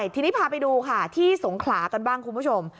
ทีนี้พาไปดูค่ะที่สงขลากันบ้างคุณผู้ชม